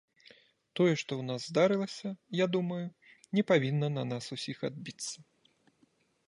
Тое, што ў нас здарылася, я думаю, не павінна на нас усіх адбіцца.